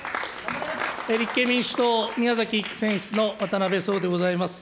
立憲民主党宮崎選出の渡辺創でございます。